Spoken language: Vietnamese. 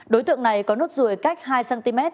đối tượng này có nốt ruồi cách hai cm